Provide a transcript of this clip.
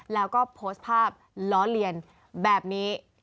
แล้วก็โพสต์ภาพล้อเลียนแบบนี้